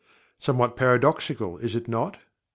Somewhat paradoxical, is it not?